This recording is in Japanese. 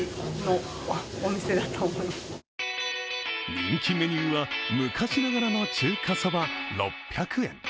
人気メニューは昔ながらの中華そば６００円。